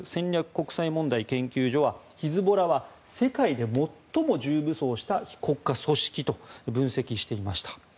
国際問題研究所はヒズボラは世界で最も重武装した非国家組織と分析していました。